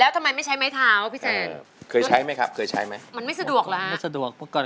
แล้วทำไมไม่ใช้ไม้เท้าพี่แซน